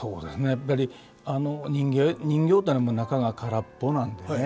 やっぱり人形っていうのは中が空っぽなんでね